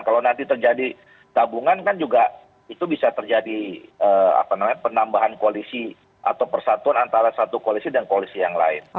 kalau nanti terjadi tabungan kan juga itu bisa terjadi penambahan koalisi atau persatuan antara satu koalisi dan koalisi yang lain